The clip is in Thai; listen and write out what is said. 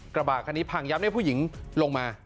กระบะคันนี้พังยับให้ผู้หญิงลงมา